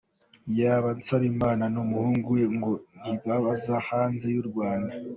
Yaba Nsabimana n’umuhungu we ngo ntibaza hanze y’u Rwanda.